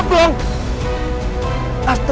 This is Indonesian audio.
bapak ngebut ya